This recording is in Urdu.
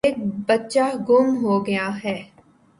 ایک بچہ گُم ہو گیا ہے۔